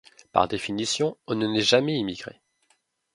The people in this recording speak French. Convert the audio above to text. Par définition, on ne naît jamais immigré.